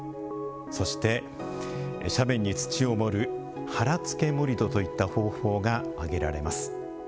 そして斜面に土を盛る「腹付け盛土」といった方法が挙げられます。